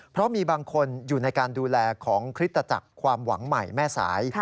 เพราะมีบางคนอยู่ในการดูแลของคริสตจักรความหวังใหม่แม่สาย